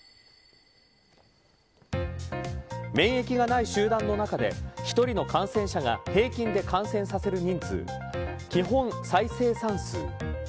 免疫がない集団の中で１人の感染者が平均で感染させる人数基本再生産数。